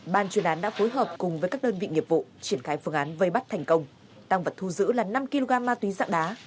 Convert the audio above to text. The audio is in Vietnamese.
ban chuyên án đã phối hợp cùng với các đơn vị nghiệp vụ triển khai phương án vây bắt thành công tăng vật thu giữ là năm kg ma túy dạng đá